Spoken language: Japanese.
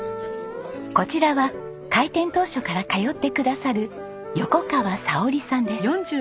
こちらは開店当初から通ってくださる横川さおりさんです。